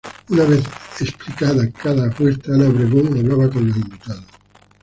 Una vez explicada cada apuesta Ana Obregón hablaba con los invitados.